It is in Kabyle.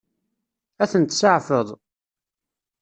Ad ten-tseɛfeḍ?